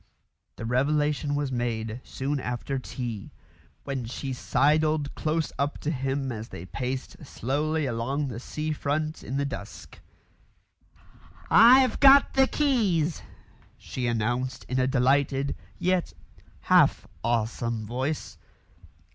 The revelation was made soon after tea, when she sidled close up to him as they paced slowly along the sea front in the dusk. "I've got the keys," she announced in a delighted, yet half awesome voice.